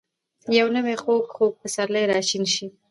یو نوی ،خوږ. خوږ پسرلی راشین شي